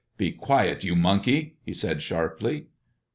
" Be quiet, you monkey !" he said sharply.